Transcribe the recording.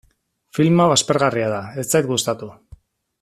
Film hau aspergarria da, ez zait gustatu.